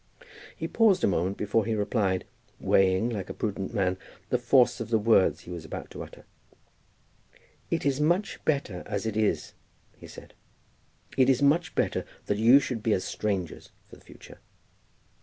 He paused a moment before he replied, weighing, like a prudent man, the force of the words he was about to utter. "It is much better as it is," he said. "It is much better that you should be as strangers for the future."